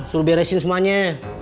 suruh beresin semuanya